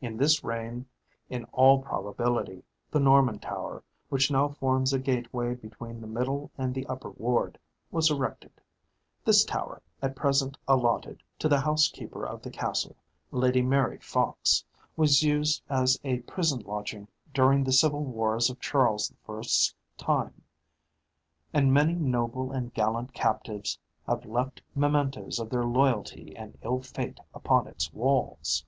In this reign, in all probability, the Norman Tower, which now forms a gateway between the middle and the upper ward, was erected. This tower, at present allotted to the house keeper of the castle, Lady Mary Fox, was used as a prison lodging during the civil wars of Charles the First's time; and many noble and gallant captives have left mementoes of their loyalty and ill fate upon its walls.